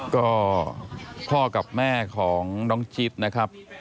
ก็พ่อกับแม่ของน้องชิดนะครับ